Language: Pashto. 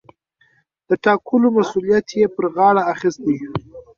د ټاکلو مسووليت يې پر غاړه اخىستى.